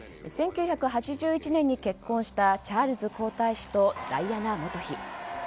１９８１年に結婚したチャールズ皇太子とダイアナ元妃。